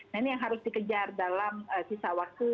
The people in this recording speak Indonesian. nah ini yang harus dikejar dalam sisa waktu